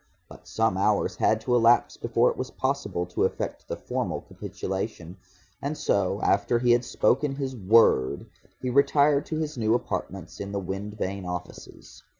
But some hours had to elapse before it was possible to effect the formal capitulation, and so after he had spoken his "Word" he retired to his new apartments in the wind vane offices.